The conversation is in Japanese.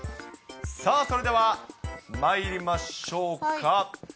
さあ、それではまいりましょうか。